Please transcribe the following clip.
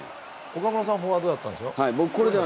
岡村さんはフォワードだったんでしょう。